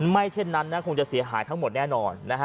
เช่นนั้นคงจะเสียหายทั้งหมดแน่นอน